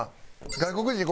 外国人。